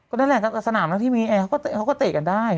ก็แน่แหละในสนามแล้วที่มีแอร์เวลาเขาก็เตะกันได้